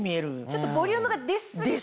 ちょっとボリュームが出過ぎて。